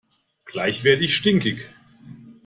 Gleich werde ich stinkig!